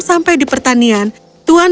sampai di pertanian tuan